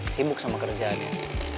sibuk sama kerjaannya